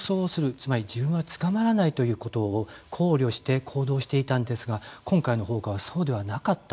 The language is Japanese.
つまり自分は捕まらないということを考慮して行動していたんですが今回の放火はそうではなかった。